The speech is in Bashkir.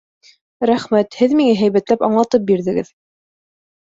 Рәхмәт, һеҙ миңә һәйбәтләп аңлатып бирҙегеҙ.